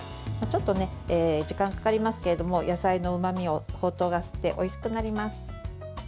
ちょっと時間がかかりますけども野菜のうまみをほうとうが吸っておいしくなります。